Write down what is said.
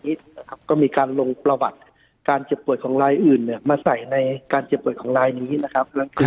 นะครับก็มีการลงประวัติการเจ็บป่วยของรายอื่นเนี่ยมาใส่ในการเจ็บป่วยของลายนี้นะครับ